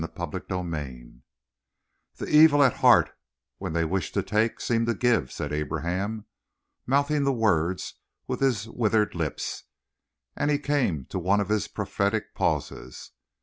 CHAPTER TWENTY "The evil at heart, when they wish to take, seem to give," said Abraham, mouthing the words with his withered lips, and he came to one of his prophetic pauses.